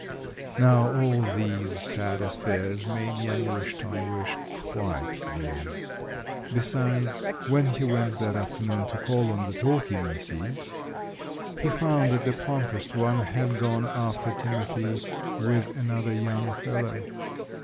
Now all these sad affairs made young Wish ton wish quite blue. Besides, when he went that afternoon to call on the Talky misses, he found that the plumpest one had gone after timothy with another young fellow.